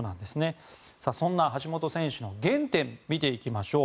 そんな橋本選手の原点を見ていきましょう。